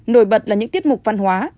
nổi bật là những tiết mục văn hóa